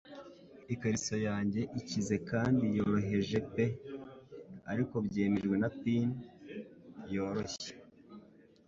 Ikariso yanjye ikize kandi yoroheje pe ariko byemejwe na pin yoroshye -